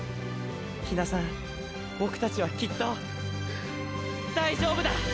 陽菜さん僕たちはきっと大丈夫だ！